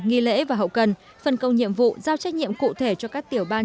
nghi lễ và hậu cần phân công nhiệm vụ giao trách nhiệm cụ thể cho các tiểu ban